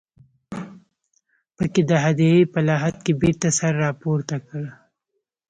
په کې د هديرې په لحد کې بېرته سر راپورته کړ.